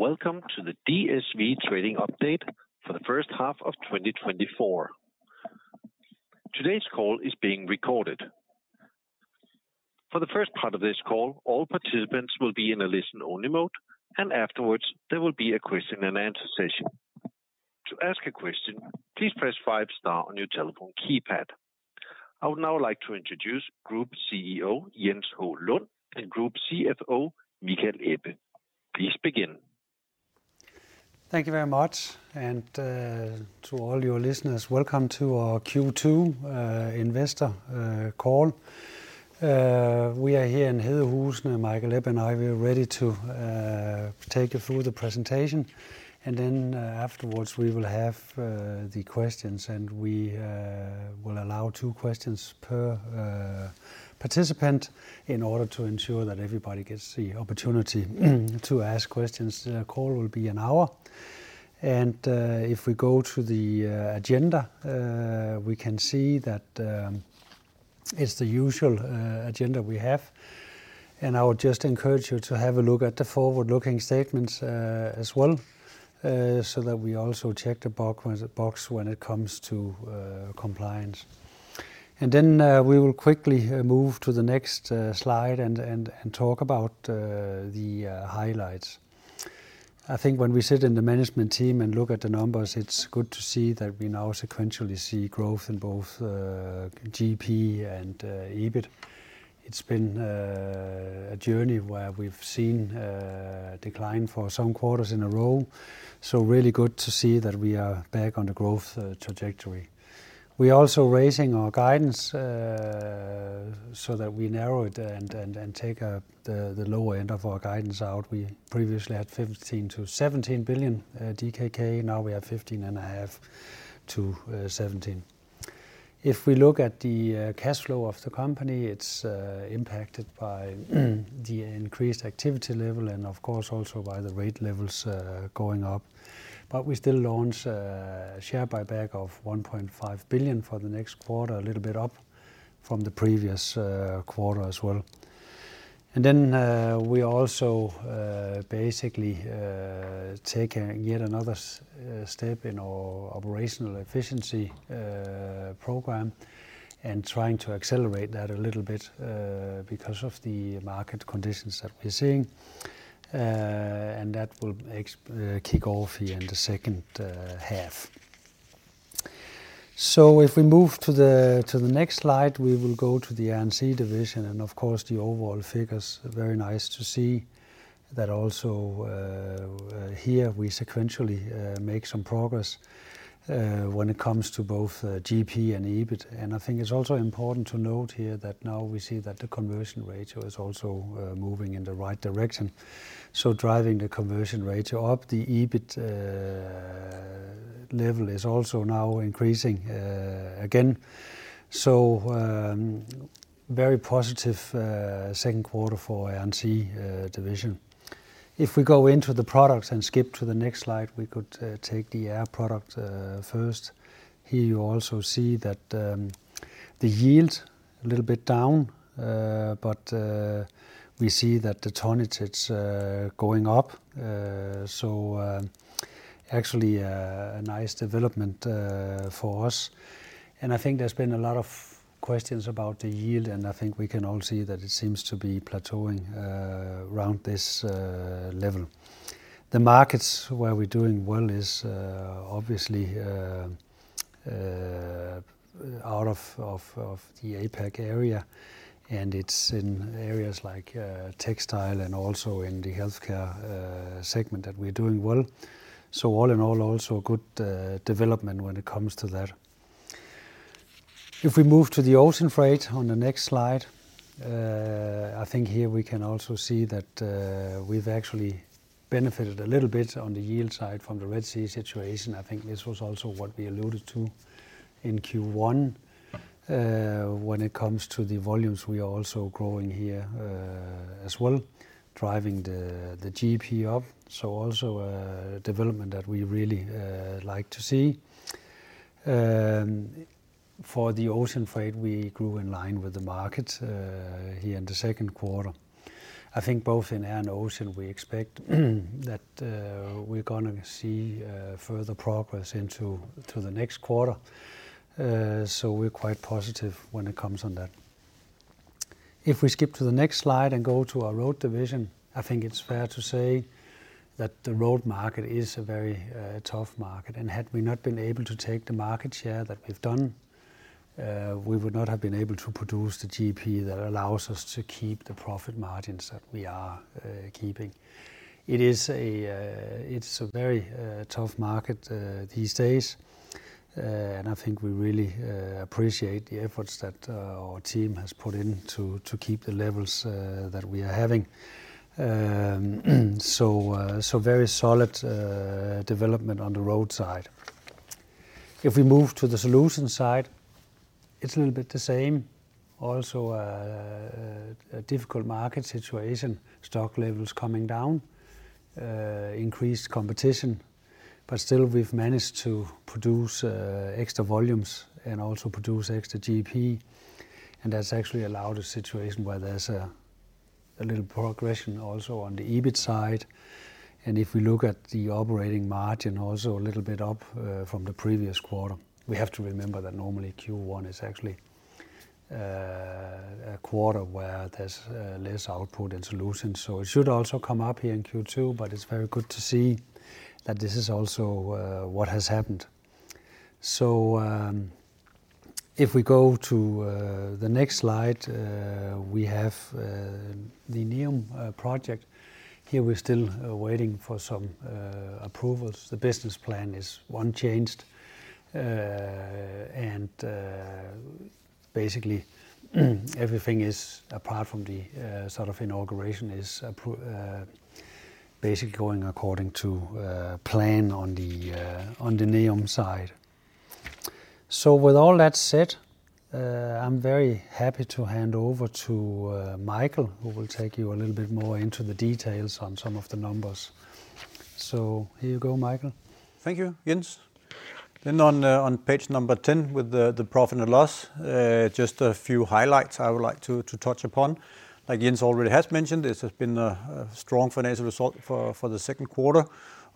Welcome to the DSV trading update for the first half of 2024. Today's call is being recorded. For the first part of this call, all participants will be in a listen-only mode, and afterwards, there will be a question-and-answer session. To ask a question, please press five stars on your telephone keypad. I would now like to introduce Group CEO Jens H. Lund and Group CFO Michael Ebbe. Please begin. Thank you very much, and to all your listeners, welcome to our Q2 investor call. We are here in Hedehusene. Michael Ebbe and I, we are ready to take you through the presentation, and then afterwards, we will have the questions, and we will allow two questions per participant in order to ensure that everybody gets the opportunity to ask questions. The call will be an hour, and if we go to the agenda, we can see that it's the usual agenda we have, and I would just encourage you to have a look at the forward-looking statements as well so that we also check the box when it comes to compliance. Then we will quickly move to the next slide and talk about the highlights. I think when we sit in the management team and look at the numbers, it's good to see that we now sequentially see growth in both GP and EBIT. It's been a journey where we've seen a decline for some quarters in a row, so really good to see that we are back on the growth trajectory. We are also raising our guidance so that we narrow it and take the lower end of our guidance out. We previously had 15 billion-17 billion DKK. Now we have 15.5 billion-17 billion. If we look at the cash flow of the company, it's impacted by the increased activity level and, of course, also by the rate levels going up, but we still launch a share buyback of 1.5 billion for the next quarter, a little bit up from the previous quarter as well. And then we are also basically taking yet another step in our operational efficiency program and trying to accelerate that a little bit because of the market conditions that we're seeing, and that will kick off here in the second half. So if we move to the next slide, we will go to the Air & Sea division, and of course, the overall figure is very nice to see that also here we sequentially make some progress when it comes to both GP and EBIT, and I think it's also important to note here that now we see that the conversion ratio is also moving in the right direction. So driving the conversion ratio up, the EBIT level is also now increasing again, so very positive second quarter for Air & Sea division. If we go into the products and skip to the next slide, we could take the air product first. Here you also see that the yield is a little bit down, but we see that the tonnage is going up, so actually a nice development for us, and I think there's been a lot of questions about the yield, and I think we can all see that it seems to be plateauing around this level. The markets where we're doing well are obviously out of the APAC area, and it's in areas like textile and also in the healthcare segment that we're doing well, so all in all, also good development when it comes to that. If we move to the ocean freight on the next slide, I think here we can also see that we've actually benefited a little bit on the yield side from the Red Sea situation. I think this was also what we alluded to in Q1. When it comes to the volumes, we are also growing here as well, driving the GP up, so also a development that we really like to see. For the ocean freight, we grew in line with the market here in the second quarter. I think both in air and ocean, we expect that we're going to see further progress into the next quarter, so we're quite positive when it comes on that. If we skip to the next slide and go to our Road division, I think it's fair to say that the Road market is a very tough market, and had we not been able to take the market share that we've done, we would not have been able to produce the GP that allows us to keep the profit margins that we are keeping. It's a very tough market these days, and I think we really appreciate the efforts that our team has put in to keep the levels that we are having, so very solid development on the Road side. If we move to the solution side, it's a little bit the same, also a difficult market situation, stock levels coming down, increased competition, but still we've managed to produce extra volumes and also produce extra GP, and that's actually allowed a situation where there's a little progression also on the EBIT side. If we look at the operating margin, also a little bit up from the previous quarter, we have to remember that normally Q1 is actually a quarter where there's less output in solutions, so it should also come up here in Q2, but it's very good to see that this is also what has happened. So if we go to the next slide, we have the NEOM project. Here we're still waiting for some approvals. The business plan is unchanged, and basically everything is, apart from the sort of inauguration, is basically going according to plan on the NEOM side. So with all that said, I'm very happy to hand over to Michael, who will take you a little bit more into the details on some of the numbers. So here you go, Michael. Thank you, Jens. Then on page 10 with the profit and loss, just a few highlights I would like to touch upon. Like Jens already has mentioned, this has been a strong financial result for the second quarter.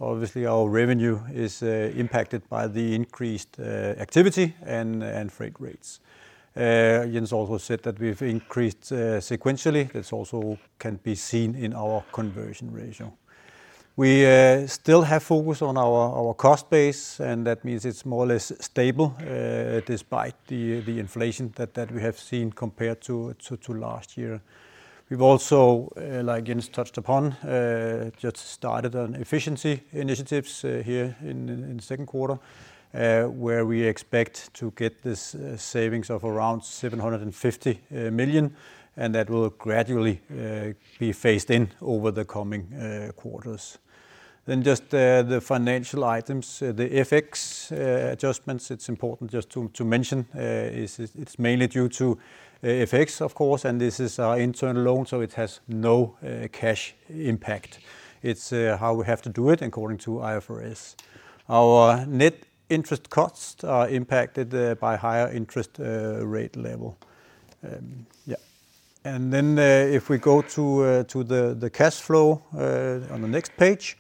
Obviously, our revenue is impacted by the increased activity and freight rates. Jens also said that we've increased sequentially; that also can be seen in our conversion ratio. We still have focus on our cost base, and that means it's more or less stable despite the inflation that we have seen compared to last year. We've also, like Jens touched upon, just started on efficiency initiatives here in the second quarter, where we expect to get this savings of around 750 million, and that will gradually be phased in over the coming quarters. Then just the financial items, the FX adjustments. It's important just to mention it's mainly due to FX, of course, and this is our internal loan, so it has no cash impact. It's how we have to do it according to IFRS. Our net interest costs are impacted by higher interest rate level. Yeah. And then if we go to the cash flow on the next page,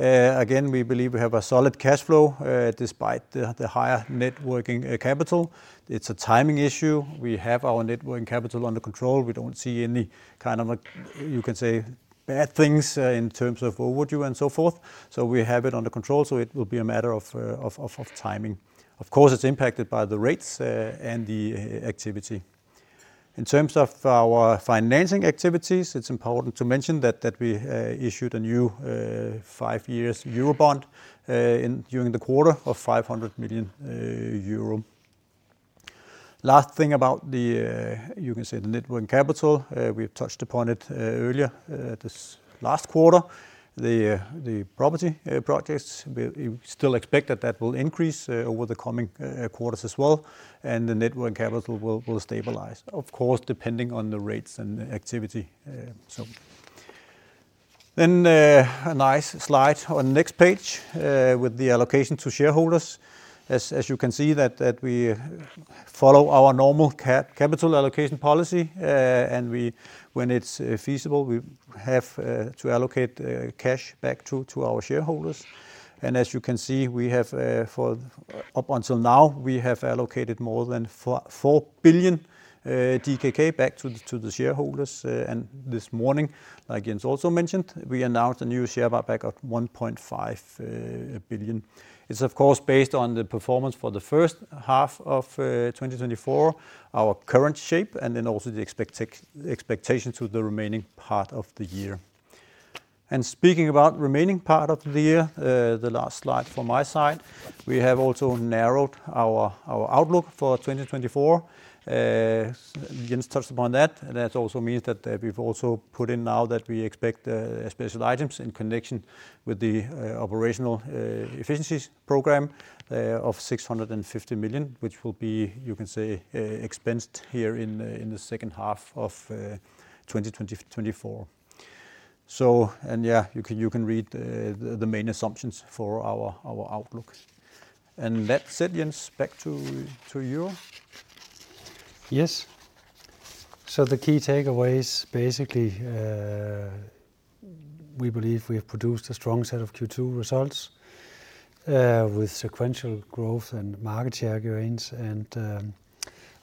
again, we believe we have a solid cash flow despite the higher net working capital. It's a timing issue. We have our net working capital under control. We don't see any kind of, you can say, bad things in terms of overdue and so forth, so we have it under control, so it will be a matter of timing. Of course, it's impacted by the rates and the activity. In terms of our financing activities, it's important to mention that we issued a new five-year Eurobond during the quarter of 500 million euro. Last thing about the, you can say, the net working capital, we've touched upon it earlier this last quarter, the property projects, we still expect that that will increase over the coming quarters as well, and the net working capital will stabilize, of course, depending on the rates and activity. So then a nice slide on the next page with the allocation to shareholders. As you can see, that we follow our normal capital allocation policy, and when it's feasible, we have to allocate cash back to our shareholders. As you can see, we have up until now, we have allocated more than 4 billion DKK back to the shareholders. This morning, like Jens also mentioned, we announced a new share buyback of 1.5 billion. It's, of course, based on the performance for the first half of 2024, our current shape, and then also the expectation to the remaining part of the year. Speaking about the remaining part of the year, the last slide from my side, we have also narrowed our outlook for 2024. Jens touched upon that, and that also means that we've also put in now that we expect special items in connection with the operational efficiencies program of 650 million, which will be, you can say, expensed here in the second half of 2024. So, and yeah, you can read the main assumptions for our outlook. And that's it, Jens, back to you. Yes. So the key takeaway is basically we believe we have produced a strong set of Q2 results with sequential growth and market share gains, and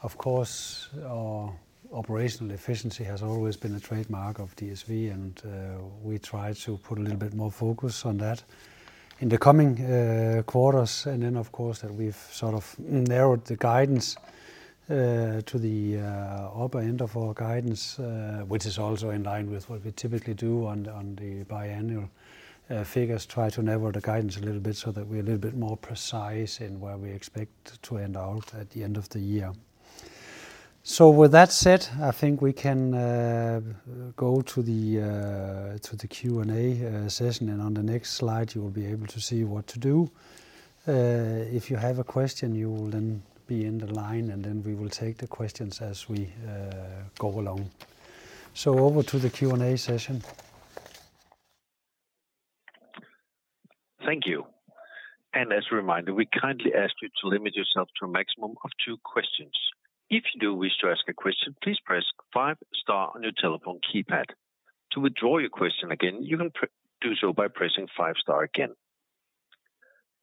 of course, our operational efficiency has always been a trademark of DSV, and we try to put a little bit more focus on that in the coming quarters. And then, of course, that we've sort of narrowed the guidance to the upper end of our guidance, which is also in line with what we typically do on the biannual figures, try to narrow the guidance a little bit so that we're a little bit more precise in where we expect to end out at the end of the year. So with that said, I think we can go to the Q&A session, and on the next slide, you will be able to see what to do. If you have a question, you will then be in the line, and then we will take the questions as we go along. Over to the Q&A session. Thank you. And as a reminder, we kindly ask you to limit yourself to a maximum of two questions. If you do wish to ask a question, please press five-star on your telephone keypad. To withdraw your question again, you can do so by pressing five-star again.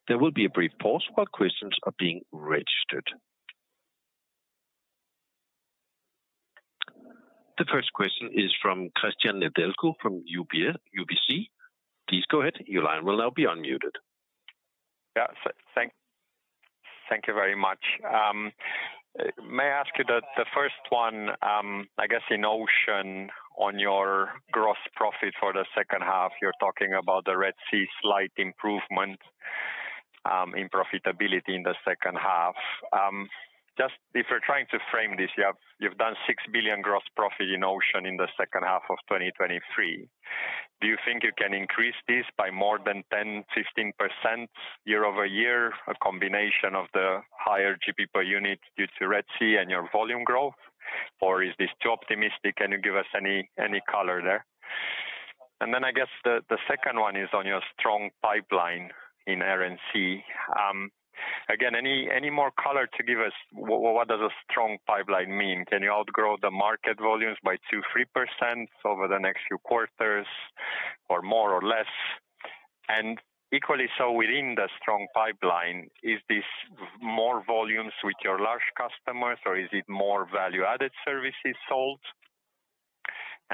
There will be a brief pause while questions are being registered. The first question is from Cristian Nedelcu from UBS. Please go ahead. Your line will now be unmuted. Yeah, thank you very much. May I ask you the first one? I guess in ocean on your gross profit for the second half, you're talking about the Red Sea slight improvement in profitability in the second half. Just if you're trying to frame this, you've done 6 billion gross profit in ocean in the second half of 2023. Do you think you can increase this by more than 10%-15% year-over-year, a combination of the higher GP per unit due to Red Sea and your volume growth, or is this too optimistic? Can you give us any color there? And then I guess the second one is on your strong pipeline in Air & Sea. Again, any more color to give us what does a strong pipeline mean? Can you outgrow the market volumes by 2%-3% over the next few quarters or more or less? Equally so within the strong pipeline, is this more volumes with your large customers, or is it more value-added services sold?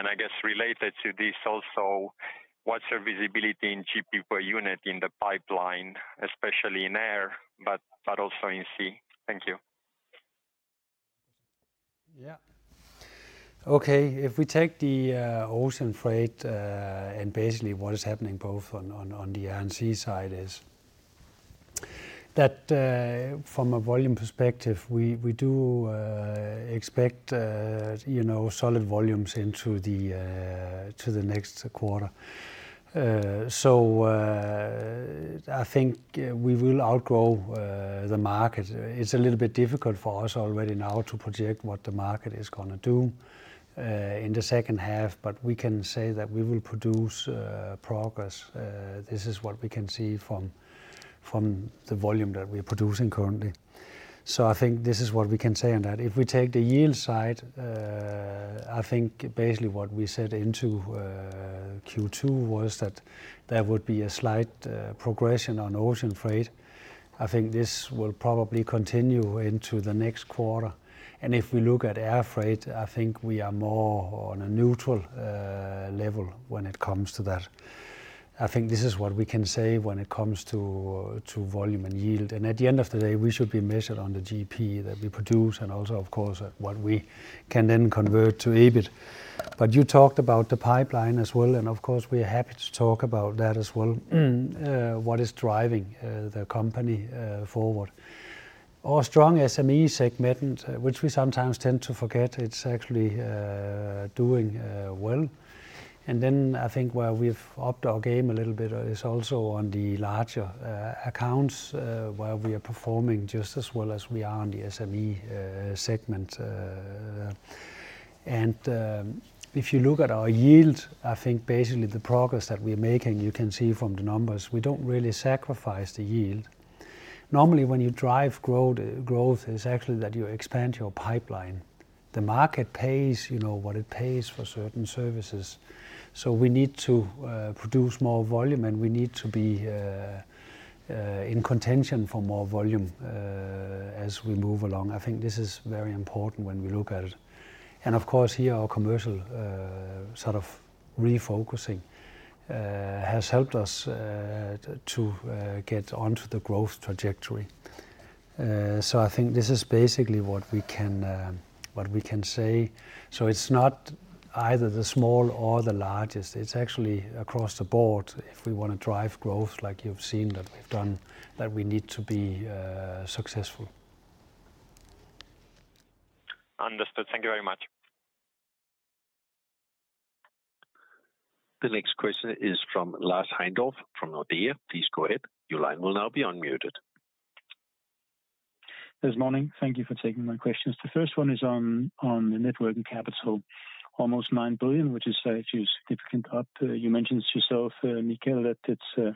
I guess related to this also, what's your visibility in GP per unit in the pipeline, especially in air, but also in sea? Thank you. Yeah. Okay, if we take the ocean freight and basically what is happening both on the Air & Sea side is that from a volume perspective, we do expect solid volumes into the next quarter. So I think we will outgrow the market. It's a little bit difficult for us already now to project what the market is going to do in the second half, but we can say that we will produce progress. This is what we can see from the volume that we are producing currently. So I think this is what we can say on that. If we take the yield side, I think basically what we said into Q2 was that there would be a slight progression on ocean freight. I think this will probably continue into the next quarter. And if we look at air freight, I think we are more on a neutral level when it comes to that. I think this is what we can say when it comes to volume and yield. And at the end of the day, we should be measured on the GP that we produce and also, of course, what we can then convert to EBIT. But you talked about the pipeline as well, and of course, we are happy to talk about that as well, what is driving the company forward. Our strong SME segment, which we sometimes tend to forget, it's actually doing well. And then I think where we've upped our game a little bit is also on the larger accounts where we are performing just as well as we are on the SME segment. If you look at our yield, I think basically the progress that we are making, you can see from the numbers, we don't really sacrifice the yield. Normally, when you drive growth, it's actually that you expand your pipeline. The market pays what it pays for certain services. So we need to produce more volume, and we need to be in contention for more volume as we move along. I think this is very important when we look at it. Of course, here our commercial sort of refocusing has helped us to get onto the growth trajectory. I think this is basically what we can say. It's not either the small or the largest. It's actually across the board if we want to drive growth like you've seen that we've done, that we need to be successful. Understood. Thank you very much. The next question is from Lars Heindorff from Nordea. Please go ahead. Your line will now be unmuted. This morning, thank you for taking my questions. The first one is on the net working capital, almost 9 billion, which is actually a significant up. You mentioned yourself, Michael, that it's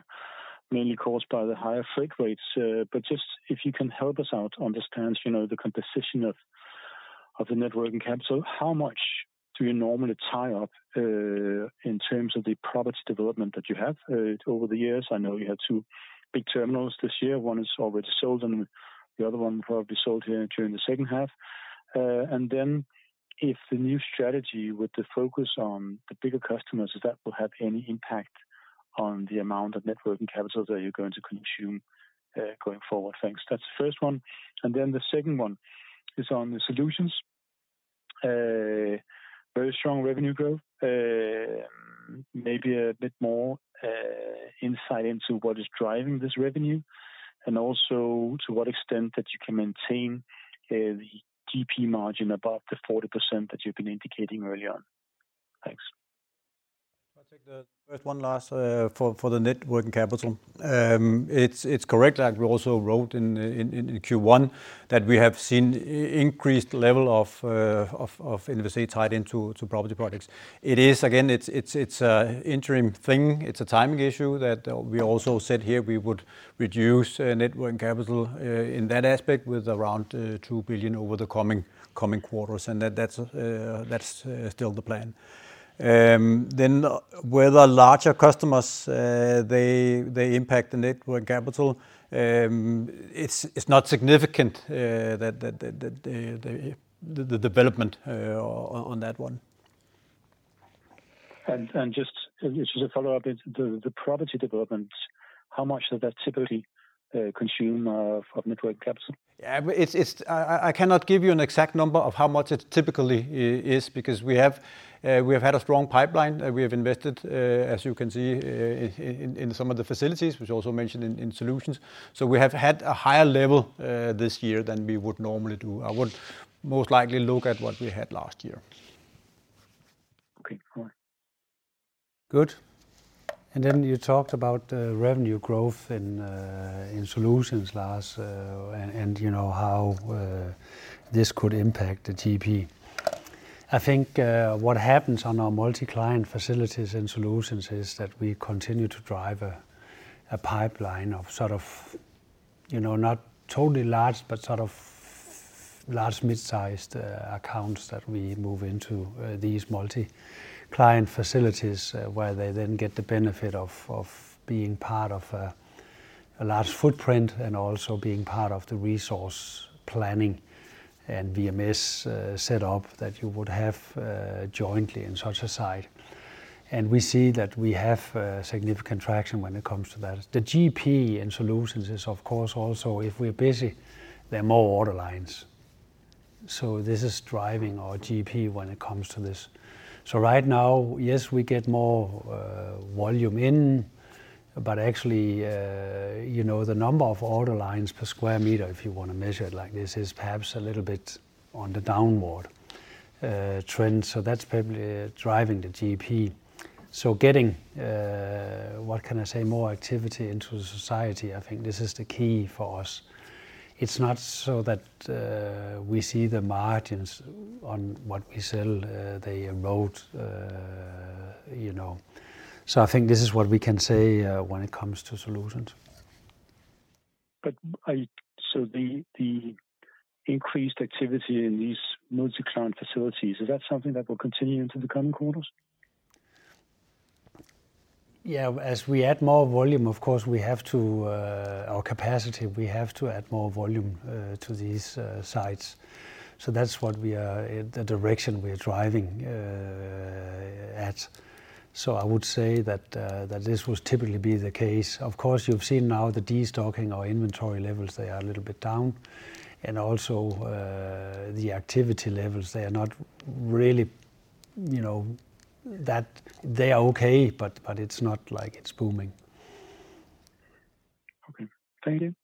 mainly caused by the higher freight rates. But just if you can help us out, understand the composition of the net working capital, how much do you normally tie up in terms of the project development that you have over the years? I know you had two big terminals this year. One is already sold, and the other one will probably be sold here during the second half. And then if the new strategy with the focus on the bigger customers, if that will have any impact on the amount of net working capital that you're going to consume going forward. Thanks. That's the first one. And then the second one is on the solutions. Very strong revenue growth, maybe a bit more insight into what is driving this revenue, and also to what extent that you can maintain the GP margin above the 40% that you've been indicating earlier on. Thanks. I'll take the first one last for the net working capital. It's correct, like we also wrote in Q1, that we have seen an increased level of NWC tied into property projects. It is, again, it's an interim thing. It's a timing issue that we also said here we would reduce net working capital in that aspect with around 2 billion over the coming quarters, and that's still the plan. Then whether larger customers, they impact the net working capital, it's not significant the development on that one. Just as a follow-up, the property development, how much does that typically consume of net working capital? Yeah, I cannot give you an exact number of how much it typically is because we have had a strong pipeline. We have invested, as you can see, in some of the facilities, which also mentioned in solutions. So we have had a higher level this year than we would normally do. I would most likely look at what we had last year. Okay. Good. And then you talked about revenue growth in solutions last and how this could impact the GP. I think what happens on our multi-client facilities and solutions is that we continue to drive a pipeline of sort of not totally large, but sort of large mid-sized accounts that we move into these multi-client facilities where they then get the benefit of being part of a large footprint and also being part of the resource planning and WMS setup that you would have jointly in such a site. And we see that we have significant traction when it comes to that. The GP in solutions is, of course, also if we're busy, there are more order lines. So this is driving our GP when it comes to this. So right now, yes, we get more volume in, but actually the number of order lines per square meter, if you want to measure it like this, is perhaps a little bit on the downward trend. So that's probably driving the GP. So getting, what can I say, more activity into society, I think this is the key for us. It's not so that we see the margins on what we sell the Road. So I think this is what we can say when it comes to solutions. The increased activity in these multi-client facilities, is that something that will continue into the coming quarters? Yeah, as we add more volume, of course, we have to our capacity, we have to add more volume to these sites. So that's what we are the direction we are driving at. So I would say that this will typically be the case. Of course, you've seen now the destocking, our inventory levels, they are a little bit down. And also the activity levels, they are not really that they are okay, but it's not like it's booming. Okay. Thank you.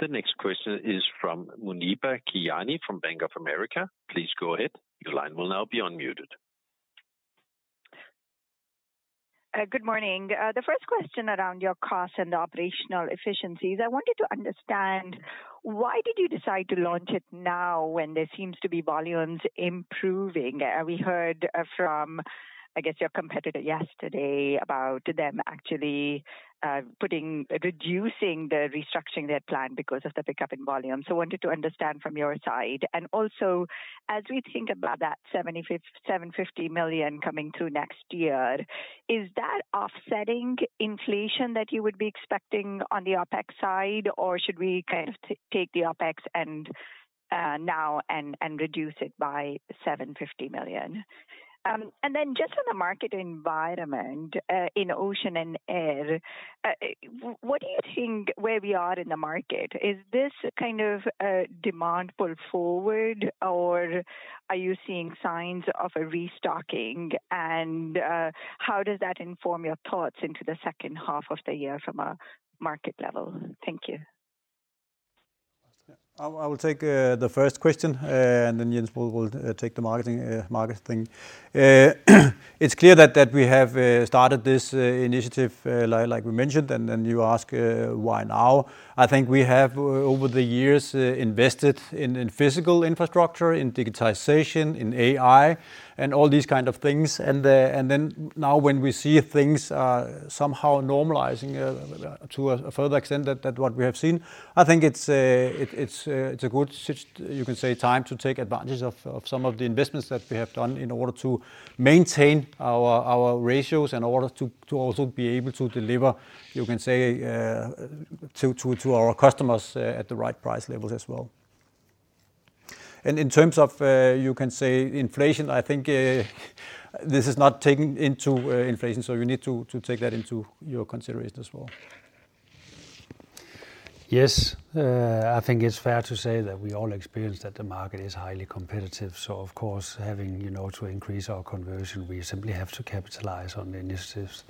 The next question is from Muneeba Kayani from Bank of America. Please go ahead. Your line will now be unmuted. Good morning. The first question around your cost and the operational efficiencies, I wanted to understand why did you decide to launch it now when there seems to be volumes improving? We heard from, I guess, your competitor yesterday about them actually putting reducing the restructuring their plan because of the pickup in volume. So I wanted to understand from your side. And also, as we think about that 750 million coming through next year, is that offsetting inflation that you would be expecting on the OpEx side, or should we kind of take the OpEx now and reduce it by 750 million? And then just on the market environment in ocean and air, what do you think where we are in the market? Is this kind of demand pulled forward, or are you seeing signs of a restocking? How does that inform your thoughts into the second half of the year from a market level? Thank you. I will take the first question, and then Jens will take the marketing thing. It's clear that we have started this initiative, like we mentioned, and then you ask why now. I think we have over the years invested in physical infrastructure, in digitization, in AI, and all these kinds of things. And then now when we see things somehow normalizing to a further extent than what we have seen, I think it's a good, you can say, time to take advantage of some of the investments that we have done in order to maintain our ratios in order to also be able to deliver, you can say, to our customers at the right price levels as well. And in terms of, you can say, inflation, I think this is not taken into inflation, so you need to take that into your consideration as well. Yes, I think it's fair to say that we all experience that the market is highly competitive. So of course, having to increase our conversion, we simply have to capitalize on the initiatives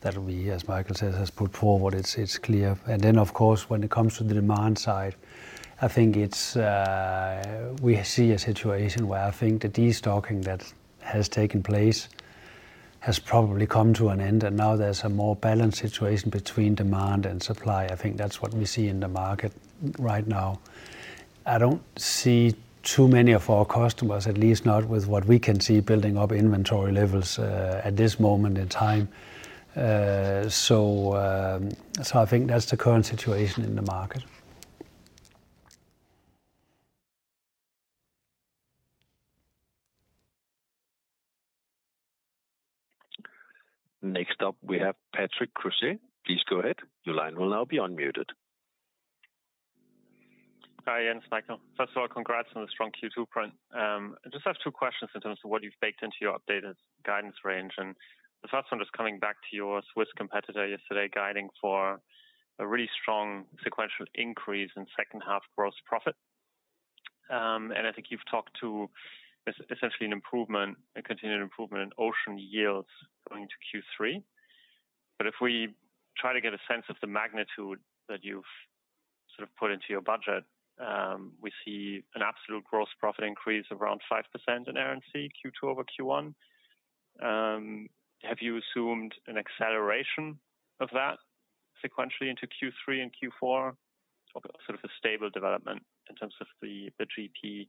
that we, as Michael says, have put forward. It's clear. And then of course, when it comes to the demand side, I think we see a situation where I think the destocking that has taken place has probably come to an end, and now there's a more balanced situation between demand and supply. I think that's what we see in the market right now. I don't see too many of our customers, at least not with what we can see building up inventory levels at this moment in time. So I think that's the current situation in the market. Next up, we have Patrick Creuset. Please go ahead. Your line will now be unmuted. Hi, Jens, Michael. First of all, congrats on the strong Q2 print. I just have two questions in terms of what you've baked into your updated guidance range. And the first one is coming back to your Swiss competitor yesterday guiding for a really strong sequential increase in second half gross profit. And I think you've talked to essentially an improvement, a continued improvement in ocean yields going into Q3. But if we try to get a sense of the magnitude that you've sort of put into your budget, we see an absolute gross profit increase of around 5% in Air & Sea Q2 over Q1. Have you assumed an acceleration of that sequentially into Q3 and Q4? Sort of a stable development in terms of the GP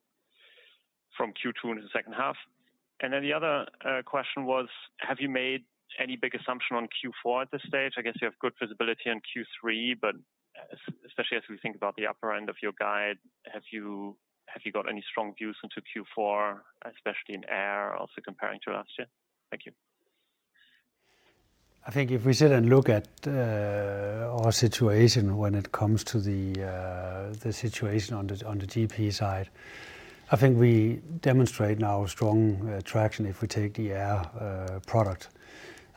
from Q2 into the second half. And then the other question was, have you made any big assumption on Q4 at this stage? I guess you have good visibility on Q3, but especially as we think about the upper end of your guide, have you got any strong views into Q4, especially in air, also comparing to last year? Thank you. I think if we sit and look at our situation when it comes to the situation on the GP side, I think we demonstrate now strong traction if we take the air product.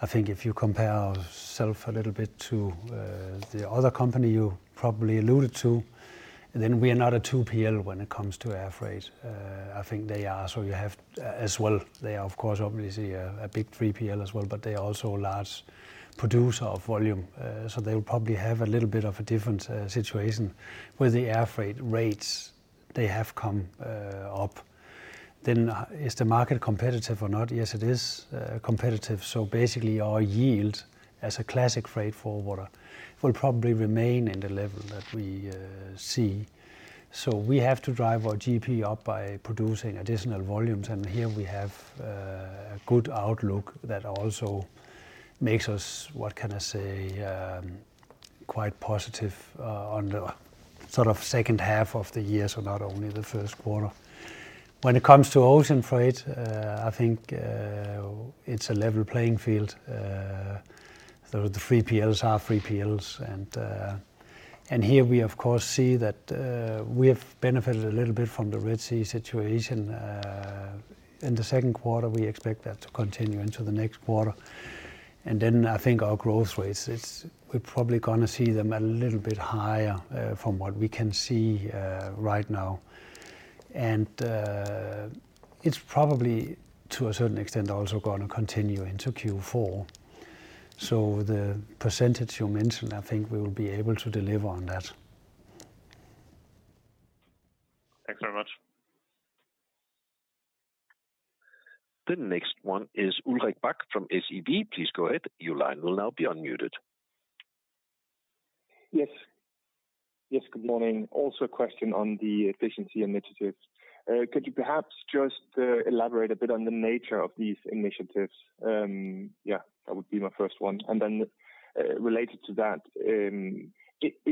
I think if you compare ourselves a little bit to the other company you probably alluded to, then we are not a 2PL when it comes to air freight. I think they are. So you have as well, they are of course obviously a big 3PL as well, but they are also a large producer of volume. So they will probably have a little bit of a different situation with the air freight rates. They have come up. Then is the market competitive or not? Yes, it is competitive. So basically our yield as a classic freight forwarder will probably remain in the level that we see. So we have to drive our GP up by producing additional volumes. And here we have a good outlook that also makes us, what can I say, quite positive on the sort of second half of the year or not only the first quarter. When it comes to ocean freight, I think it's a level playing field. The 3PLs are 3PLs. And here we, of course, see that we have benefited a little bit from the Red Sea situation. In the second quarter, we expect that to continue into the next quarter. And then I think our growth rates, we're probably going to see them a little bit higher from what we can see right now. And it's probably to a certain extent also going to continue into Q4. So the percentage you mentioned, I think we will be able to deliver on that. Thanks very much. The next one is Ulrik Bak from SEB. Please go ahead. Your line will now be unmuted. Yes. Yes, good morning. Also a question on the efficiency initiatives. Could you perhaps just elaborate a bit on the nature of these initiatives? Yeah, that would be my first one. And then related to that, this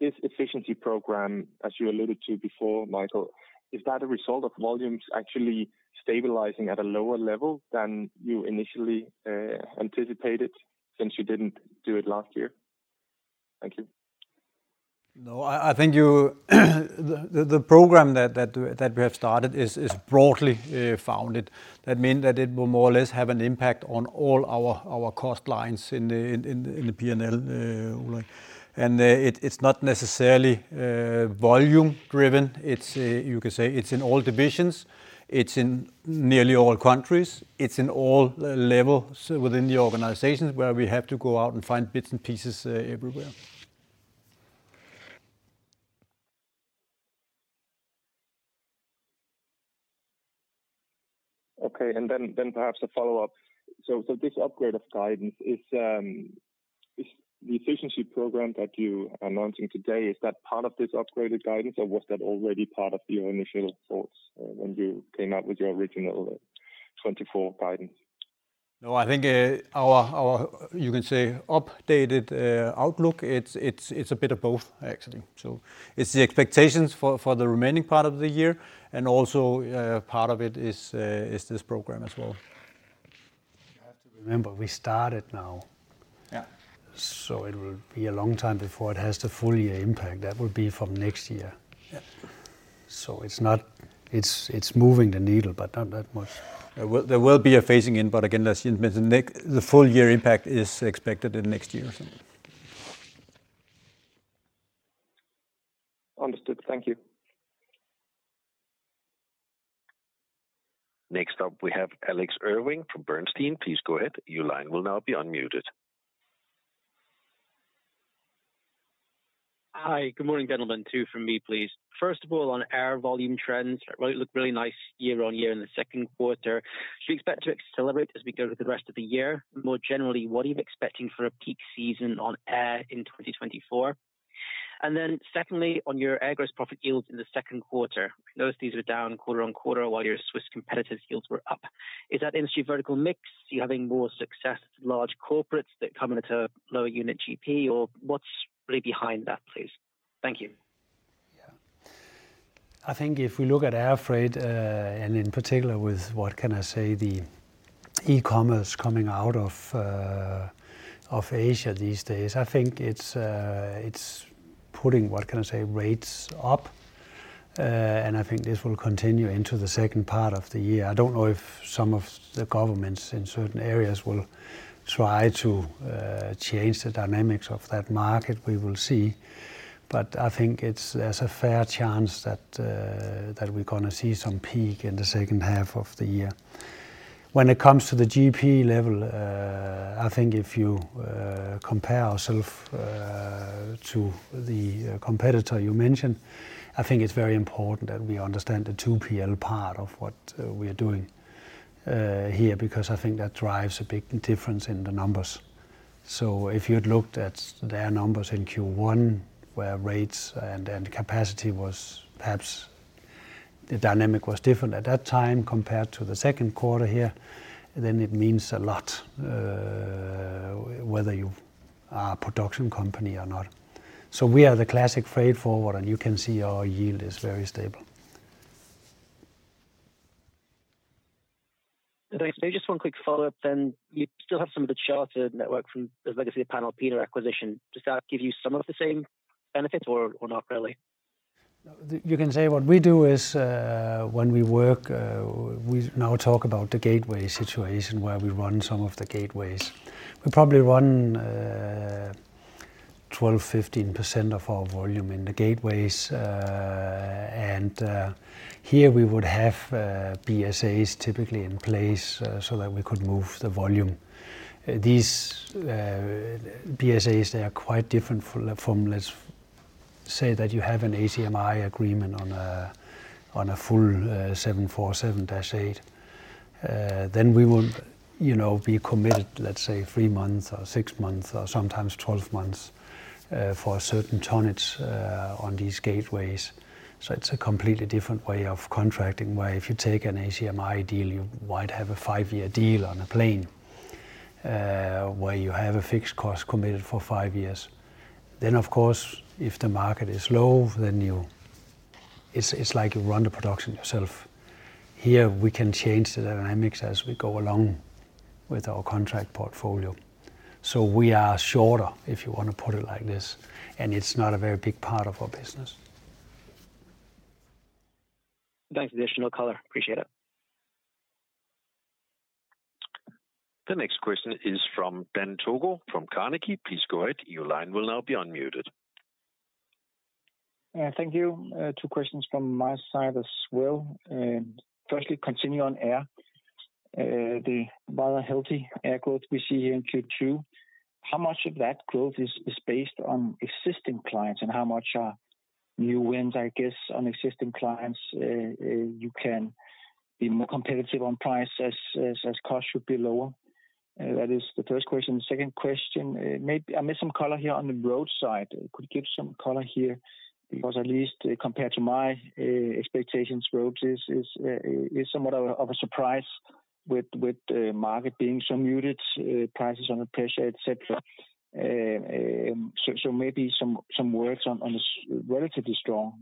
efficiency program, as you alluded to before, Michael, is that a result of volumes actually stabilizing at a lower level than you initially anticipated since you didn't do it last year? Thank you. No, I think the program that we have started is broadly founded. That means that it will more or less have an impact on all our cost lines in the P&L, Ulrik. It's not necessarily volume-driven. You could say it's in all divisions. It's in nearly all countries. It's in all levels within the organizations where we have to go out and find bits and pieces everywhere. Okay. And then perhaps a follow-up. So this upgrade of guidance, the efficiency program that you are announcing today, is that part of this upgraded guidance, or was that already part of your initial thoughts when you came out with your original 2024 guidance? No, I think our, you can say, updated outlook, it's a bit of both, actually. So it's the expectations for the remaining part of the year, and also part of it is this program as well. You have to remember, we started now. Yeah. It will be a long time before it has the full year impact. That will be from next year. It's moving the needle, but not that much. There will be a phasing in, but again, as Jens mentioned, the full year impact is expected in next year or so. Understood. Thank you. Next up, we have Alex Irving from Bernstein. Please go ahead. Your line will now be unmuted. Hi, good morning, gentlemen. 2 from me, please. First of all, on air volume trends, it looked really nice year-on-year in the second quarter. Do you expect to accelerate as we go through the rest of the year? More generally, what are you expecting for a peak season on air in 2024? And then secondly, on your gross profit yields in the second quarter, we noticed these were down quarter-on-quarter while your Swiss competitors' yields were up. Is that industry vertical mix? Are you having more success with large corporates that come into lower unit GP, or what's really behind that, please? Thank you. Yeah. I think if we look at air freight, and in particular with, what can I say, the e-commerce coming out of Asia these days, I think it's putting, what can I say, rates up. And I think this will continue into the second part of the year. I don't know if some of the governments in certain areas will try to change the dynamics of that market. We will see. But I think there's a fair chance that we're going to see some peak in the second half of the year. When it comes to the GP level, I think if you compare ourselves to the competitor you mentioned, I think it's very important that we understand the 2PL part of what we are doing here, because I think that drives a big difference in the numbers. So if you had looked at their numbers in Q1, where rates and capacity was perhaps the dynamic was different at that time compared to the second quarter here, then it means a lot whether you are a production company or not. So we are the classic freight forwarder, and you can see our yield is very stable. I guess maybe just one quick follow-up then. You still have some of the chartered network from, as I can see, the Panalpina acquisition. Does that give you some of the same benefits or not really? You can say what we do is, when we work, we now talk about the gateway situation where we run some of the gateways. We probably run 12%-15% of our volume in the gateways. And here we would have BSAs typically in place so that we could move the volume. These BSAs, they are quite different from, let's say, that you have an ACMI agreement on a full 747-8. Then we would be committed, let's say, 3 months or 6 months or sometimes 12 months for a certain tonnage on these gateways. So it's a completely different way of contracting where if you take an ACMI deal, you might have a 5-year deal on a plane where you have a fixed cost committed for 5 years. Then, of course, if the market is low, then it's like you run the production yourself. Here we can change the dynamics as we go along with our contract portfolio. So we are shorter, if you want to put it like this. And it's not a very big part of our business. Thanks for the additional color. Appreciate it. The next question is from Dan Togo from Carnegie. Please go ahead. Your line will now be unmuted. Thank you. Two questions from my side as well. Firstly, continue on air. The rather healthy air growth we see here in Q2, how much of that growth is based on existing clients and how much are new wins, I guess, on existing clients? You can be more competitive on price as cost should be lower. That is the first question. The second question, maybe I missed some color here on the roadside. Could you give some color here? Because at least compared to my expectations, roads is somewhat of a surprise with the market being so muted, prices under pressure, etc. So maybe some words on the relatively strong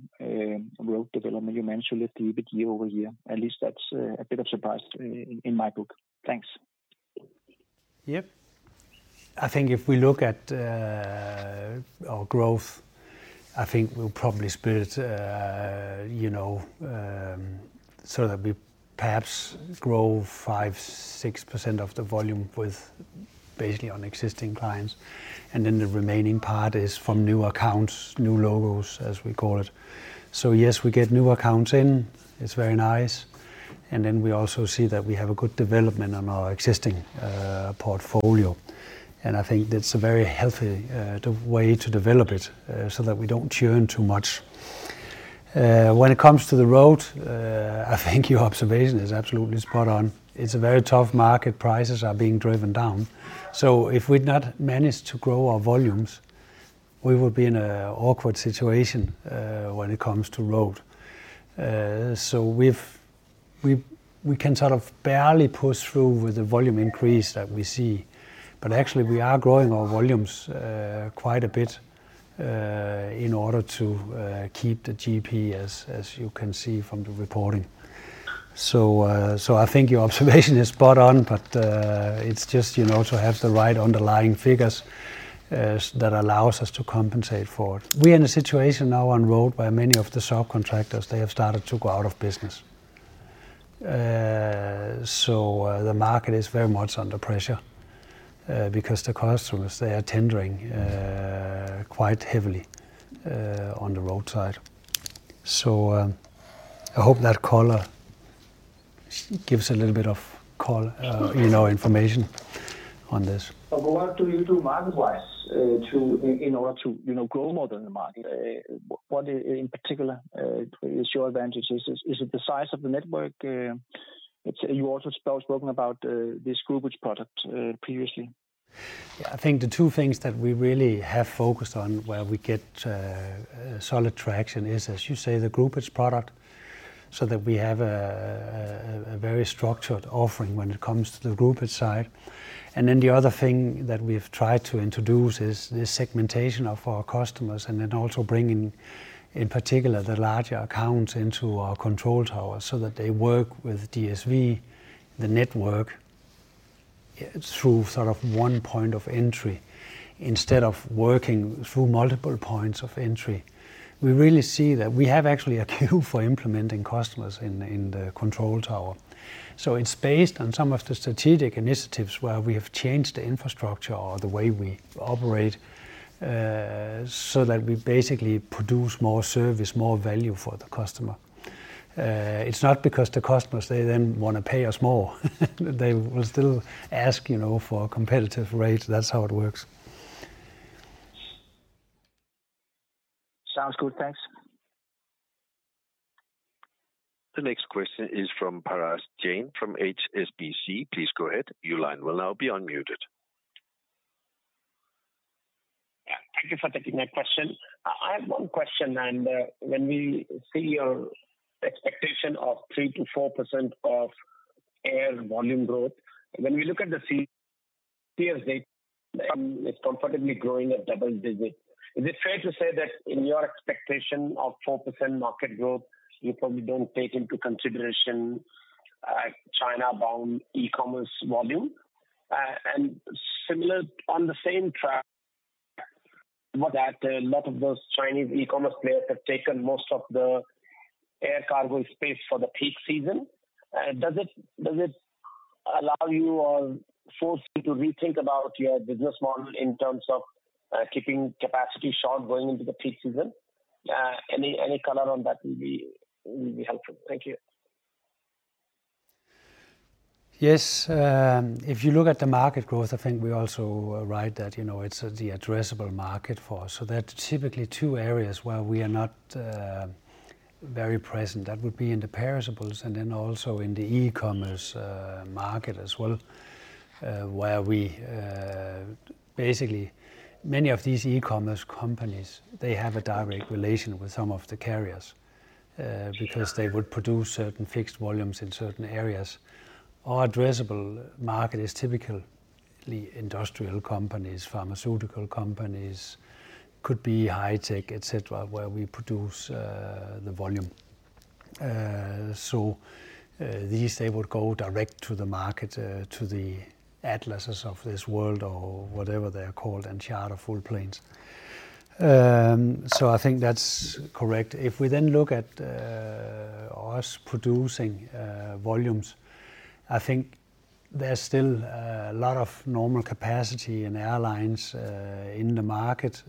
Road development you mentioned a little bit year-over-year. At least that's a bit of surprise in my book. Thanks. Yep. I think if we look at our growth, I think we'll probably split so that we perhaps grow 5%-6% of the volume with basically on existing clients. And then the remaining part is from new accounts, new logos, as we call it. So yes, we get new accounts in. It's very nice. And then we also see that we have a good development on our existing portfolio. And I think that's a very healthy way to develop it so that we don't churn too much. When it comes to the Road, I think your observation is absolutely spot on. It's a very tough market. Prices are being driven down. So if we'd not managed to grow our volumes, we would be in an awkward situation when it comes to Road. So we can sort of barely push through with the volume increase that we see. But actually, we are growing our volumes quite a bit in order to keep the GP, as you can see from the reporting. So I think your observation is spot on, but it's just to have the right underlying figures that allows us to compensate for it. We are in a situation now on Road where many of the subcontractors, they have started to go out of business. So the market is very much under pressure because the customers, they are tendering quite heavily on the roadside. So I hope that color gives a little bit of information on this. What do you do market-wise in order to grow more than the market? What in particular is your advantage? Is it the size of the network? You also spoke about this groupage product previously. Yeah, I think the two things that we really have focused on where we get solid traction is, as you say, the groupage product so that we have a very structured offering when it comes to the groupage side. And then the other thing that we have tried to introduce is the segmentation of our customers and then also bringing in particular the larger accounts into our control towers so that they work with DSV, the network, through sort of one point of entry instead of working through multiple points of entry. We really see that we have actually a queue for implementing customers in the control tower. So it's based on some of the strategic initiatives where we have changed the infrastructure or the way we operate so that we basically produce more service, more value for the customer. It's not because the customers, they then want to pay us more. They will still ask for a competitive rate. That's how it works. Sounds good. Thanks. The next question is from Parash Jain from HSBC. Please go ahead. Your line will now be unmuted. Thank you for taking that question. I have one question. And when we see your expectation of 3%-4% air volume growth, when we look at the CS data, it's comfortably growing at double digits. Is it fair to say that in your expectation of 4% market growth, you probably don't take into consideration China-bound e-commerce volume? And similar, on the same track, what a lot of those Chinese e-commerce players have taken most of the air cargo space for the peak season. Does it allow you or force you to rethink about your business model in terms of keeping capacity short going into the peak season? Any color on that will be helpful. Thank you. Yes. If you look at the market growth, I think we also write that it's the addressable market for us. So that's typically two areas where we are not very present. That would be in the perishables and then also in the e-commerce market as well, where we basically many of these e-commerce companies, they have a direct relation with some of the carriers because they would produce certain fixed volumes in certain areas. Our addressable market is typically industrial companies, pharmaceutical companies, could be high-tech, etc., where we produce the volume. So these they would go direct to the market, to the Atlases of this world or whatever they are called, and charter full planes. So I think that's correct. If we then look at us producing volumes, I think there's still a lot of normal capacity in airlines in the market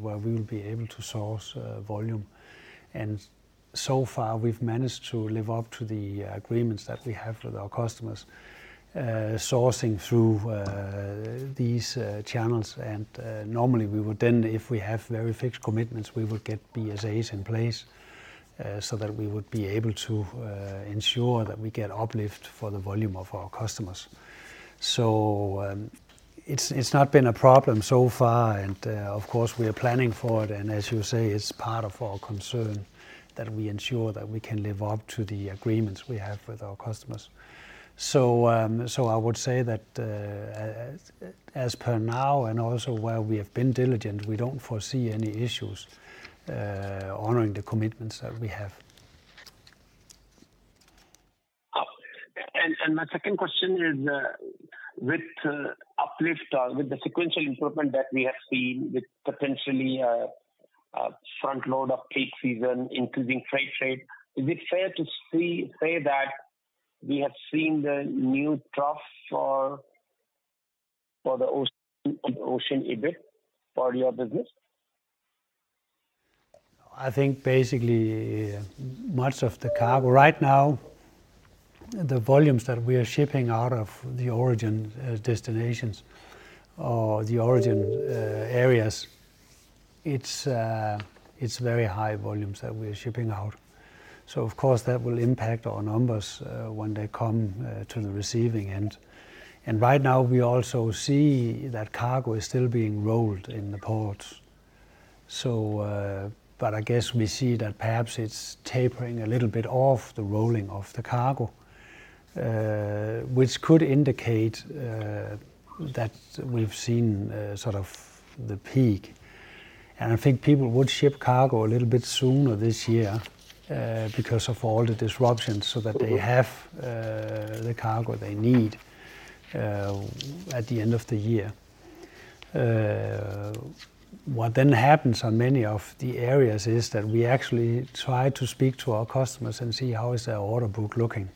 where we will be able to source volume. And so far, we've managed to live up to the agreements that we have with our customers, sourcing through these channels. And normally, we would then, if we have very fixed commitments, we would get BSAs in place so that we would be able to ensure that we get uplift for the volume of our customers. So it's not been a problem so far. And of course, we are planning for it. And as you say, it's part of our concern that we ensure that we can live up to the agreements we have with our customers. I would say that as per now and also where we have been diligent, we don't foresee any issues honoring the commitments that we have. My second question is, with the uplift or with the sequential improvement that we have seen with potentially a front load of peak season increasing freight trade, is it fair to say that we have seen the new trough for the ocean EBIT for your business? I think basically much of the cargo right now, the volumes that we are shipping out of the origin destinations or the origin areas, it's very high volumes that we are shipping out. So of course, that will impact our numbers when they come to the receiving end. And right now, we also see that cargo is still being rolled in the ports. But I guess we see that perhaps it's tapering a little bit off the rolling of the cargo, which could indicate that we've seen sort of the peak. And I think people would ship cargo a little bit sooner this year because of all the disruptions so that they have the cargo they need at the end of the year. What then happens on many of the areas is that we actually try to speak to our customers and see how is their order book looking.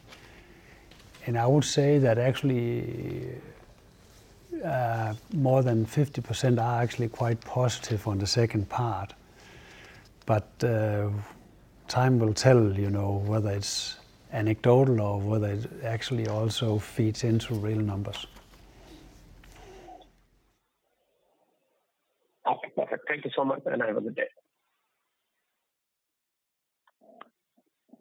I would say that actually more than 50% are actually quite positive on the second part. But time will tell whether it's anecdotal or whether it actually also feeds into real numbers. Perfect. Thank you so much and have a good day.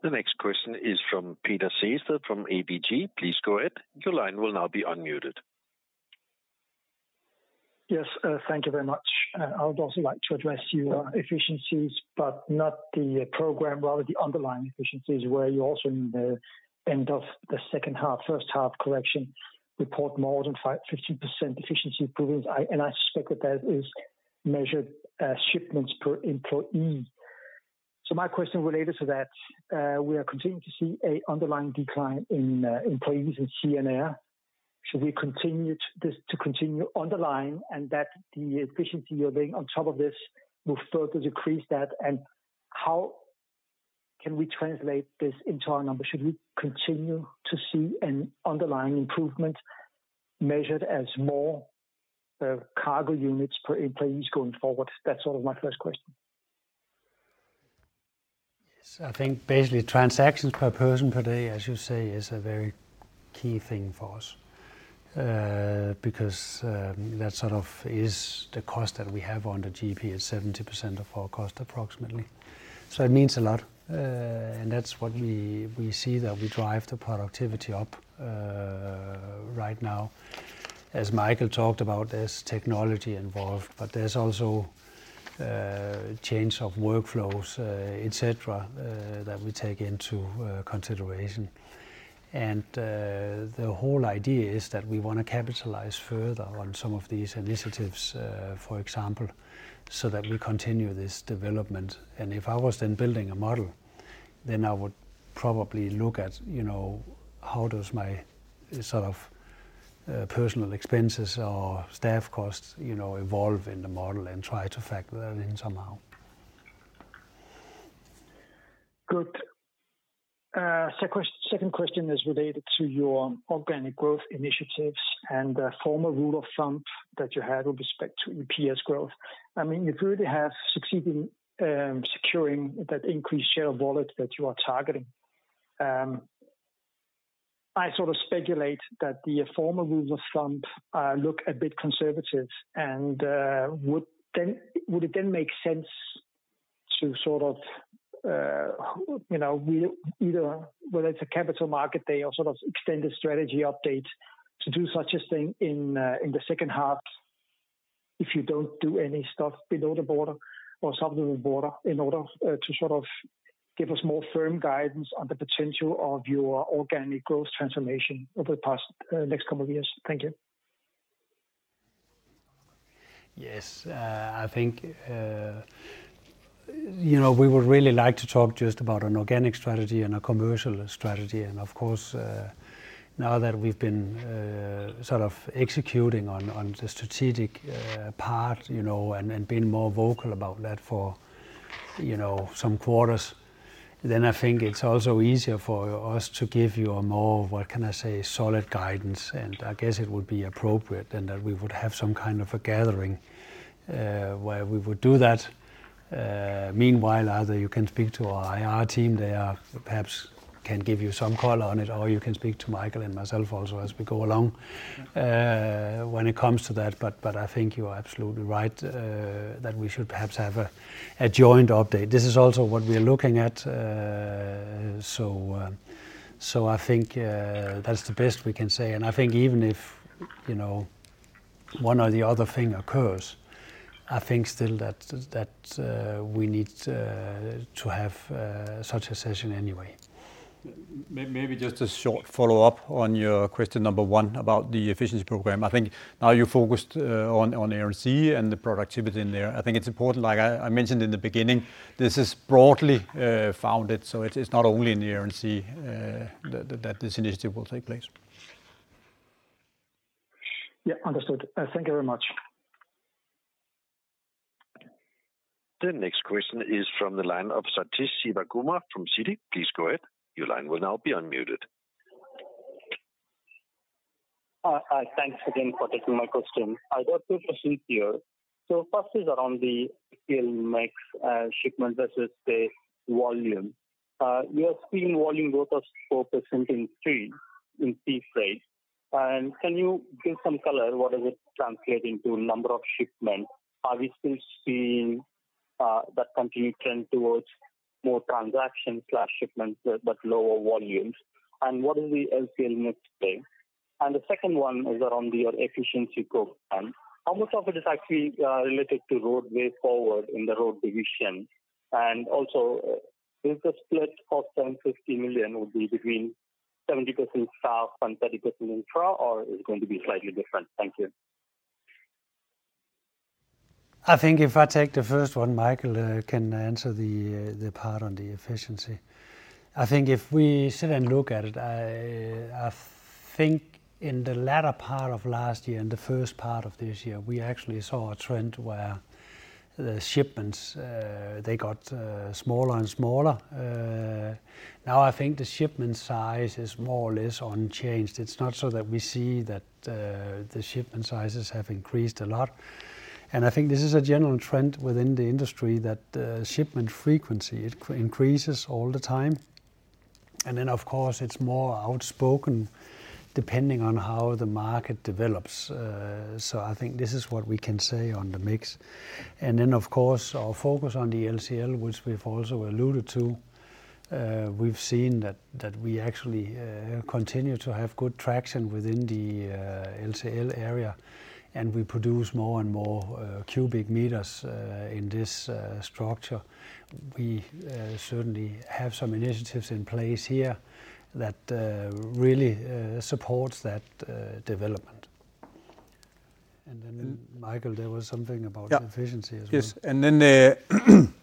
The next question is from Peter Sehested from ABG. Please go ahead. Your line will now be unmuted. Yes. Thank you very much. I would also like to address your efficiencies, but not the program, rather the underlying efficiencies where you also in the end of the second half, first half correction, report more than 15% efficiency improvements. And I suspect that that is measured shipments per employee. So my question related to that, we are continuing to see an underlying decline in employees in CNR. Should we continue to continue underlying and that the efficiency you're doing on top of this will further decrease that? And how can we translate this into our numbers? Should we continue to see an underlying improvement measured as more cargo units per employees going forward? That's sort of my first question. I think basically transactions per person per day, as you say, is a very key thing for us because that sort of is the cost that we have on the GP. It's 70% of our cost approximately. So it means a lot. And that's what we see that we drive the productivity up right now. As Michael talked about, there's technology involved, but there's also change of workflows, etc., that we take into consideration. And the whole idea is that we want to capitalize further on some of these initiatives, for example, so that we continue this development. And if I was then building a model, then I would probably look at how does my sort of personal expenses or staff costs evolve in the model and try to factor that in somehow. Good. Second question is related to your organic growth initiatives and the former rule of thumb that you had with respect to EPS growth. I mean, you really have succeeded in securing that increased share of wallet that you are targeting. I sort of speculate that the former rule of thumb look a bit conservative. Would it then make sense to sort of either, whether it's a capital market day or sort of extended strategy update, to do such a thing in the second half if you don't do any stuff below the border or sub to the border in order to sort of give us more firm guidance on the potential of your organic growth transformation over the past next couple of years? Thank you. Yes. I think we would really like to talk just about an organic strategy and a commercial strategy. Of course, now that we've been sort of executing on the strategic part and been more vocal about that for some quarters, then I think it's also easier for us to give you a more, what can I say, solid guidance. I guess it would be appropriate then that we would have some kind of a gathering where we would do that. Meanwhile, either you can speak to our IR team there, perhaps can give you some color on it, or you can speak to Michael and myself also as we go along when it comes to that. But I think you are absolutely right that we should perhaps have a joint update. This is also what we are looking at. So I think that's the best we can say. I think even if one or the other thing occurs, I think still that we need to have such a session anyway. Maybe just a short follow-up on your question number one about the efficiency program. I think now you focused on Air & Sea and the productivity in there. I think it's important, like I mentioned in the beginning, this is broadly founded. So it's not only in Air & Sea that this initiative will take place. Yeah, understood. Thank you very much. The next question is from the line of Sathish Sivakumar from Citi. Please go ahead. Your line will now be unmuted. Thanks again for taking my question. I've got two questions here. So first is around the LCL mix shipment versus the volume. You are seeing volume growth of 4% in sea freight. And can you give some color? What does it translate into number of shipments? Are we still seeing that continued trend towards more transactions/shipments, but lower volumes? And what is the LCL mix today? And the second one is around your efficiency program. How much of it is actually related to Road Way Forward in the Road division? And also, is the split cost of 50 million would be between 70% staff and 30% infra, or is it going to be slightly different? Thank you. I think if I take the first one, Michael can answer the part on the efficiency. I think if we sit and look at it, I think in the latter part of last year and the first part of this year, we actually saw a trend where the shipments, they got smaller and smaller. Now I think the shipment size is more or less unchanged. It's not so that we see that the shipment sizes have increased a lot. And I think this is a general trend within the industry that shipment frequency increases all the time. And then, of course, it's more outspoken depending on how the market develops. So I think this is what we can say on the mix. And then, of course, our focus on the LCL, which we've also alluded to, we've seen that we actually continue to have good traction within the LCL area. We produce more and more cubic meters in this structure. We certainly have some initiatives in place here that really support that development. And then, Michael, there was something about efficiency as well. Yes. Then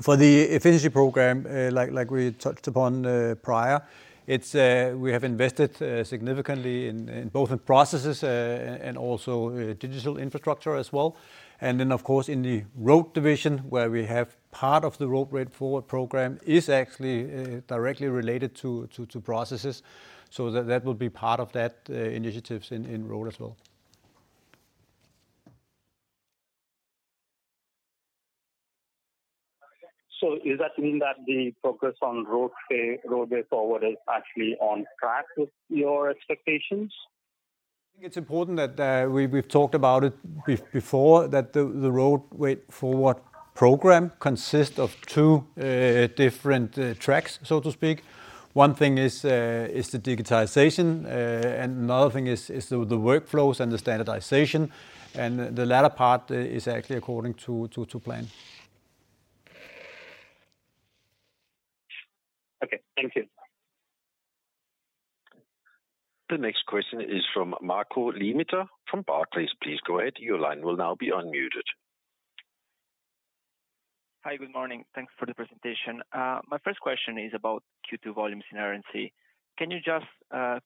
for the efficiency program, like we touched upon prior, we have invested significantly in both processes and also digital infrastructure as well. Then, of course, in the Road division, where we have part of the Road Way Forward program is actually directly related to processes. So that will be part of that initiatives in Road as well. Does that mean that the focus on Road Way Forward is actually on track with your expectations? I think it's important that we've talked about it before, that the Road Way Forward program consists of two different tracks, so to speak. One thing is the digitization, and another thing is the workflows and the standardization. And the latter part is actually according to plan. Okay. Thank you. The next question is from Marco Limite from Barclays. Please go ahead. Your line will now be unmuted. Hi, good morning. Thanks for the presentation. My first question is about Q2 volumes in Air & Sea. Can you just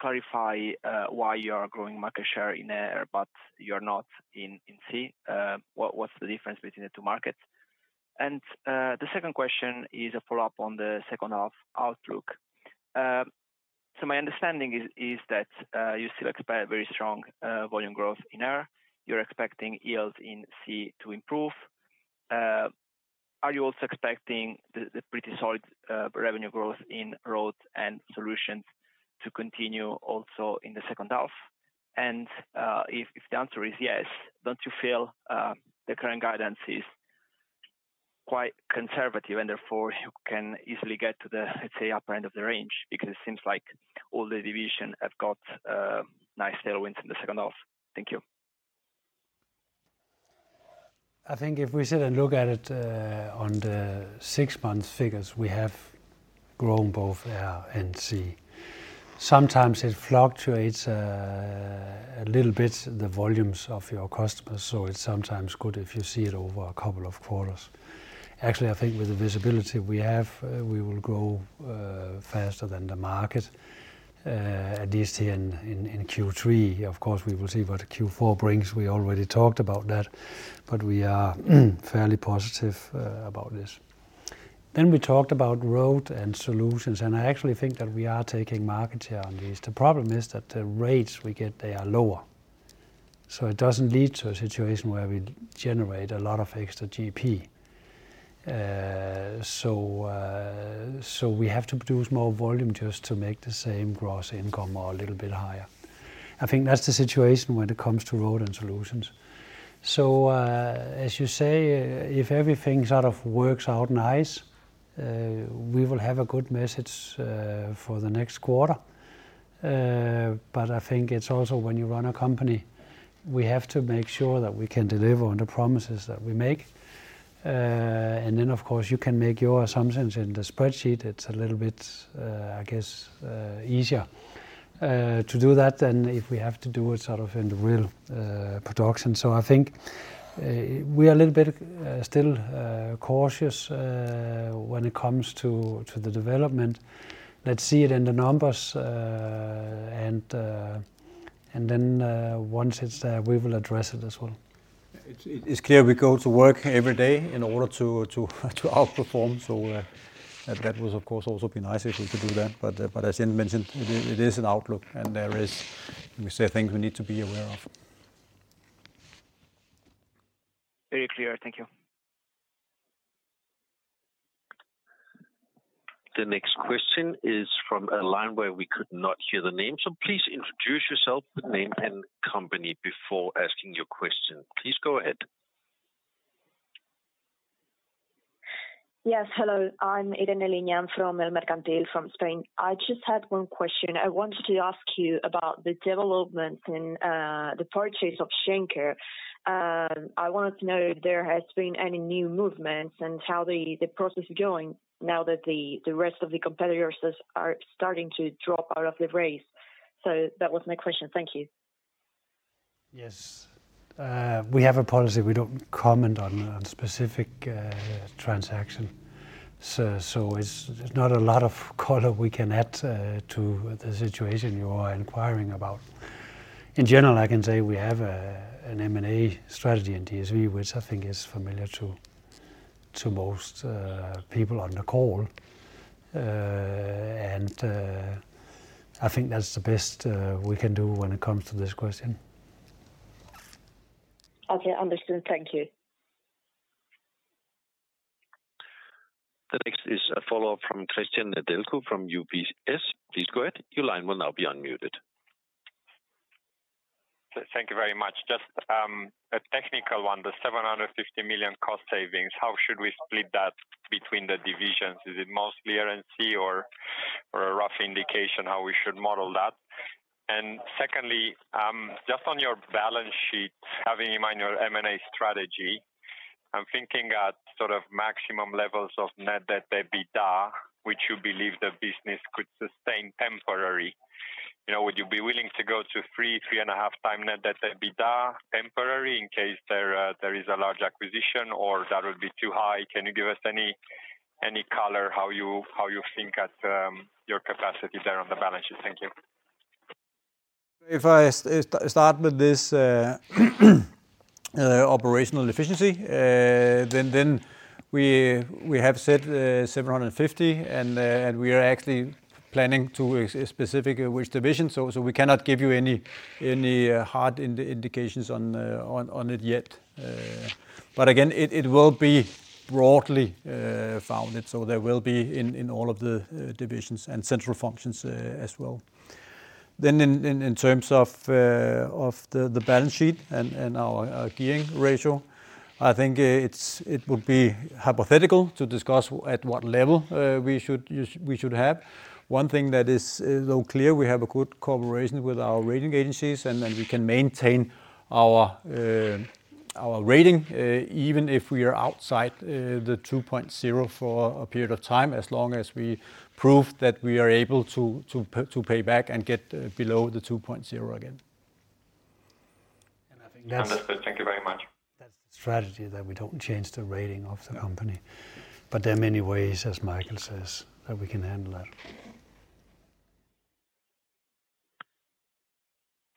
clarify why you are growing market share in Air, but you are not in C? What's the difference between the two markets? And the second question is a follow-up on the second half outlook. So my understanding is that you still expect very strong volume growth in Air. You're expecting yields in C to improve. Are you also expecting the pretty solid revenue growth in Road and Solutions to continue also in the second half? And if the answer is yes, don't you feel the current guidance is quite conservative and therefore you can easily get to the, let's say, upper end of the range because it seems like all the division have got nice tailwinds in the second half? Thank you. I think if we sit and look at it on the six months figures, we have grown bothAir & Sea. Sometimes it fluctuates a little bit the volumes of your customers. So it's sometimes good if you see it over a couple of quarters. Actually, I think with the visibility we have, we will grow faster than the market, at least here in Q3. Of course, we will see what Q4 brings. We already talked about that, but we are fairly positive about this. Then we talked about Road and Solutions, and I actually think that we are taking market share on these. The problem is that the rates we get, they are lower. So it doesn't lead to a situation where we generate a lot of extra GP. So we have to produce more volume just to make the same gross income a little bit higher. I think that's the situation when it comes to Road and Solutions. So as you say, if everything sort of works out nice, we will have a good message for the next quarter. But I think it's also when you run a company, we have to make sure that we can deliver on the promises that we make. And then, of course, you can make your assumptions in the spreadsheet. It's a little bit, I guess, easier to do that than if we have to do it sort of in the real production. So I think we are a little bit still cautious when it comes to the development. Let's see it in the numbers, and then once it's there, we will address it as well. It's clear we go to work every day in order to outperform. So that would, of course, also be nice if we could do that. But as Jens mentioned, it is an outlook, and there are things we need to be aware of. Very clear. Thank you. The next question is from a line where we could not hear the name. Please introduce yourself with name and company before asking your question. Please go ahead. Yes, hello. I'm Eden Eleni from El Mercantil from Spain. I just had one question. I wanted to ask you about the developments in the purchase of Schenker. I wanted to know if there has been any new movements and how the process is going now that the rest of the competitors are starting to drop out of the race. So that was my question. Thank you. Yes. We have a policy. We don't comment on specific transactions. So there's not a lot of color we can add to the situation you are inquiring about. In general, I can say we have an M&A strategy in DSV, which I think is familiar to most people on the call. And I think that's the best we can do when it comes to this question. Okay. Understood. Thank you. The next is a follow-up from Cristian Nedelcu from UBS. Please go ahead. Your line will now be unmuted. Thank you very much. Just a technical one. The 750 million cost savings, how should we split that between the divisions? Is it mostly Air & Sea or a rough indication how we should model that? And secondly, just on your balance sheet, having in mind your M&A strategy, I'm thinking at sort of maximum levels of net debt EBITDA, which you believe the business could sustain temporarily. Would you be willing to go to 3-3.5x net debt EBITDA temporarily in case there is a large acquisition or that would be too high? Can you give us any color how you think at your capacity there on the balance sheet? Thank you. If I start with this operational efficiency, then we have said 750, and we are actually planning to specifically which division. So we cannot give you any hard indications on it yet. But again, it will be broadly founded. So there will be in all of the divisions and central functions as well. Then in terms of the balance sheet and our gearing ratio, I think it would be hypothetical to discuss at what level we should have. One thing that is so clear, we have a good collaboration with our rating agencies, and then we can maintain our rating even if we are outside the 2.0 for a period of time, as long as we prove that we are able to pay back and get below the 2.0 again. Thank you very much. That's the strategy that we don't change the rating of the company. But there are many ways, as Michael says, that we can handle that.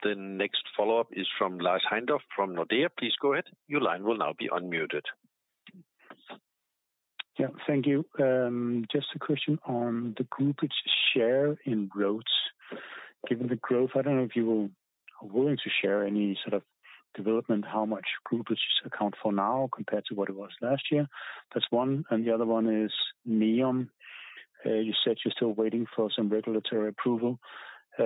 The next follow-up is from Lars Heindorff from Nordea. Please go ahead. Your line will now be unmuted. Yeah, thank you. Just a question on the groupage share in Road. Given the growth, I don't know if you will be willing to share any sort of development, how much groupages account for now compared to what it was last year. That's one. And the other one is NEOM. You said you're still waiting for some regulatory approval. I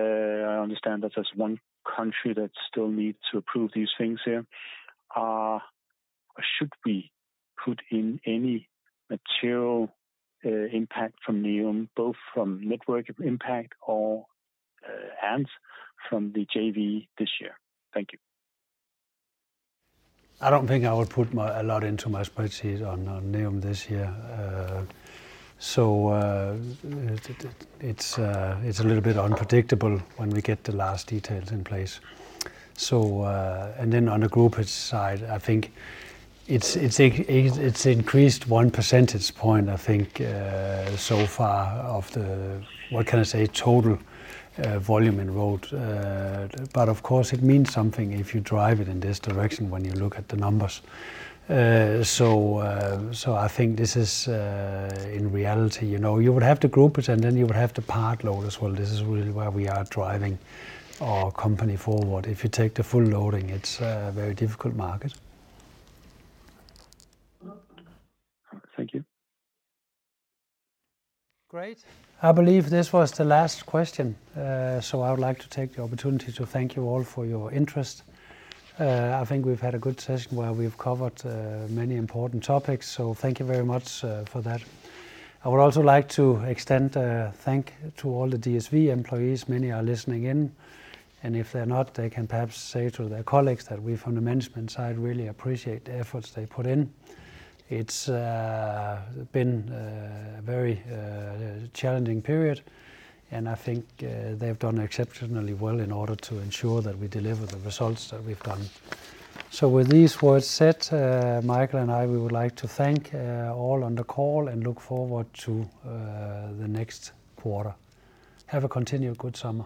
understand that there's one country that still needs to approve these things here. Should we put in any material impact from NEOM, both from network impact and from the JV this year? Thank you. I don't think I would put a lot into my spreadsheet on NEOM this year. So it's a little bit unpredictable when we get the last details in place. And then on the groupage side, I think it's increased 1 percentage point, I think, so far of the, what can I say, total volume in Road. But of course, it means something if you drive it in this direction when you look at the numbers. So I think this is in reality, you would have the groupage, and then you would have the part load as well. This is really where we are driving our company forward. If you take the full loading, it's a very difficult market. Thank you. Great. I believe this was the last question. So I would like to take the opportunity to thank you all for your interest. I think we've had a good session where we've covered many important topics. So thank you very much for that. I would also like to extend a thank you to all the DSV employees. Many are listening in. And if they're not, they can perhaps say to their colleagues that we from the management side really appreciate the efforts they put in. It's been a very challenging period. And I think they've done exceptionally well in order to ensure that we deliver the results that we've done. So with these words said, Michael and I, we would like to thank all on the call and look forward to the next quarter. Have a continued good summer.